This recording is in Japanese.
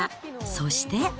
そして。